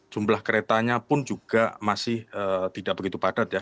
jumlah keretanya pun juga masih tidak begitu padat ya